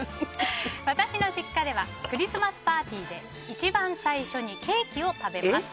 私の実家ではクリスマスパーティーで一番最初にケーキを食べます。